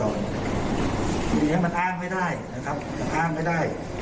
อย่างนี้มันอ้างไม่ได้นะครับอ้างไม่ได้